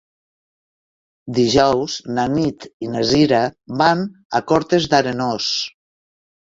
Dijous na Nit i na Cira van a Cortes d'Arenós.